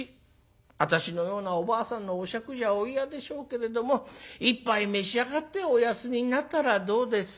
私のようなおばあさんのお酌じゃお嫌でしょうけれども一杯召し上がってお休みになったらどうです』って